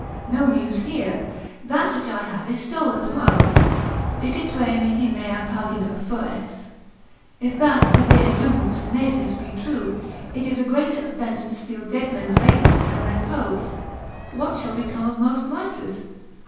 No news here; that which I have is stolen, from others, Dicitque mihi mea pagina fur es. If that severe doom of Synesius be true, it is a greater offence to steal dead men's labours, than their clothes, what shall become of most writers?